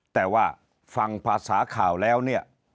แต่ว่าฟังภาษาข่าวแล้วเนี่ย